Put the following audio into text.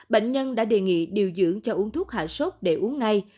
bệnh nhân đã đề nghị điều dưỡng cho uống thuốc hạ sốt để uống ngay